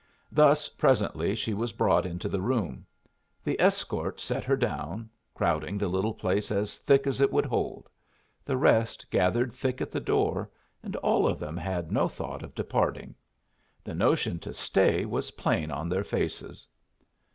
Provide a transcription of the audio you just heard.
Thus, presently, she was brought into the room. The escort set her down, crowding the little place as thick as it would hold; the rest gathered thick at the door, and all of them had no thought of departing. The notion to stay was plain on their faces.